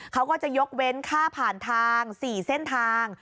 เขาก็จะยกเว้นค่าผ่านทาง๔เส้นทาง